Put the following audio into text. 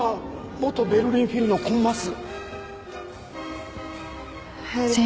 元ベルリンフィルのコンマス！